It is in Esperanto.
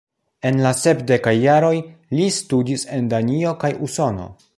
En la sepdekaj jaroj, li studis en Danio kaj Usono.